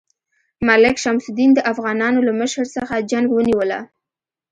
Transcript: ملک شمس الدین د افغانانو له مشر څخه جنګ ونیوله.